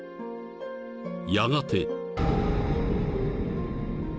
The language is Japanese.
［やがて］